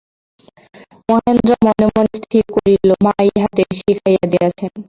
মহেন্দ্র মনে মনে স্থির করিল, মা ইহাদের শিখাইয়া দিয়াছেন।